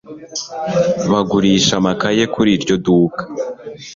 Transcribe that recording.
bagurisha amakaye kuri iryo duka